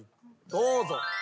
どうぞ。